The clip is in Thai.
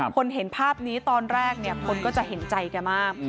คนเห็นภาพนี้ตอนแรกคนก็จะเห็นใจกันมาก